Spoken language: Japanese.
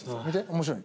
面白い。